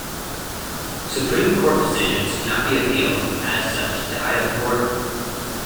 Supreme Court decisions cannot be appealed, as such, to either court.